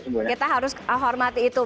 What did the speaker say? ya sudah kita harus menghormati itu